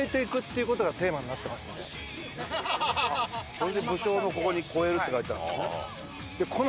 それで武将のここに「超える」って書いてあるんだね。